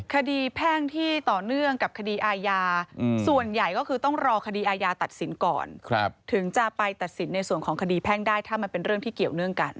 แพ่งที่ต่อเนื่องกับคดีอาญาส่วนใหญ่ก็คือต้องรอคดีอาญาตัดสินก่อนถึงจะไปตัดสินในส่วนของคดีแพ่งได้ถ้ามันเป็นเรื่องที่เกี่ยวเนื่องกัน